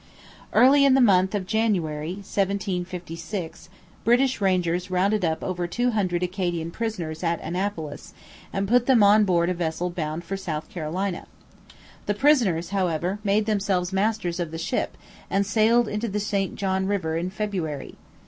Early in the month of January 1756 British rangers rounded up over two hundred Acadian prisoners at Annapolis, and put them on board a vessel bound for South Carolina. The prisoners, however, made themselves masters of the ship and sailed into the St John river in February.